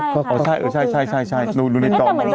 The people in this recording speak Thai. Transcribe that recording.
แต่เหมือนจะคนละรุ่นป่ะ